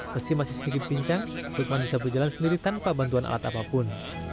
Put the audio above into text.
meski masih sedikit pincang lukman bisa berjalan sendiri tanpa bantuan alat apapun